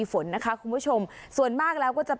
โดยการติดต่อไปก็จะเกิดขึ้นการติดต่อไป